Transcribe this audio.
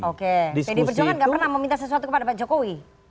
pdi perjuangan gak pernah meminta sesuatu kepada pak jokowi